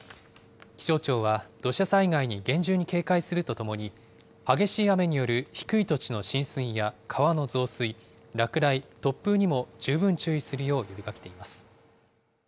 気象庁は、土砂災害に厳重に警戒するとともに、激しい雨による低い土地の浸水や川の増水、落雷、突風にも十分注意するよう呼びかけています。